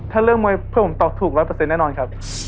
ถ้าเรื่องมวยเพื่อนผมตอบถูก๑๐๐แน่นอนครับ